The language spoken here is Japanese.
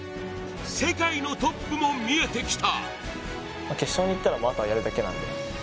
世界のトップも見えてきた。